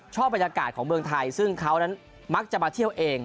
บรรยากาศของเมืองไทยซึ่งเขานั้นมักจะมาเที่ยวเอง